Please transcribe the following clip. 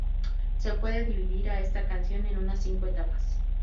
Se puede dividir a esta canción en unas cinco etapas